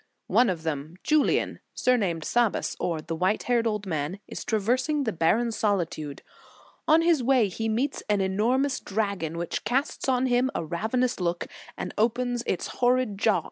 One of them, Julian, surnamed Sabas, or the white haired old man, is traversing the barren solitude. On his way he meets an enormous dragon, which casts on him a rav enous look, and opens its horrid jaws to * Vit.